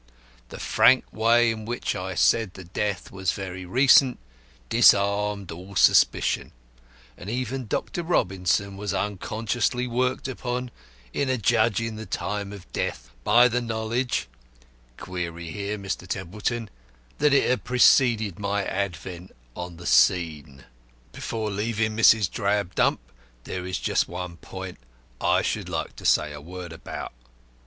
The frank way in which I said the death was very recent disarmed all suspicion, and even Dr. Robinson was unconsciously worked upon, in adjudging the time of death, by the knowledge (query here, Mr. Templeton) that it had preceded my advent on the scene. "Before leaving Mrs. Drabdump, there is just one point I should like to say a word about.